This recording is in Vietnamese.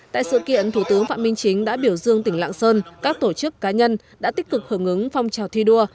tại sự kiện thủ tướng phạm minh chính đã biểu dương tỉnh lạng sơn các tổ chức cá nhân đã tích cực hưởng ứng phong trào thi đua